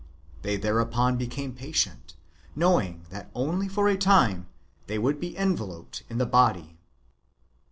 They thereupon became patient, knowing that only for a time they w^ould be enveloped in the hodiy.